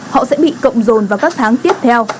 họ sẽ bị cộng dồn vào các tháng tiếp theo